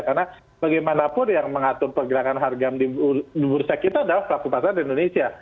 karena bagaimanapun yang mengatur pergerakan harga di bursa kita adalah pelaku pasar di indonesia